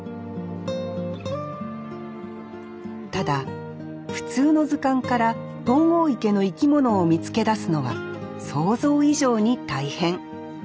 ただ普通の図鑑から東郷池の生き物を見つけだすのは想像以上に大変。